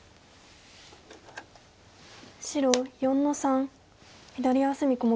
白４の三左上隅小目。